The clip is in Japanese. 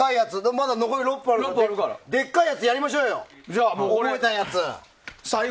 まだ残り６分あるからでっかいやつやりましょうよ！